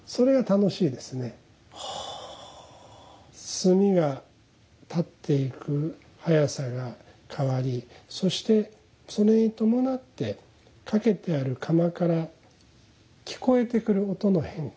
炭が立っていく速さが変わりそしてそれに伴ってかけてある釜から聞こえてくる音の変化。